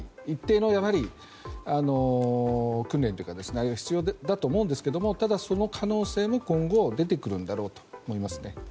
一定の訓練などが必要だと思うんですがただ、その可能性も今後出てくるだろうと思います。